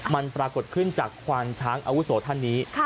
มันปรากฏขึ้นจากควานช้างอาวุโสท่านนี้